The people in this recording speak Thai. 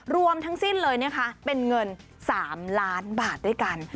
รวมทั้งสิ้นเลยนะคะเป็นเงิน๓ล้านบาทด้วยกัน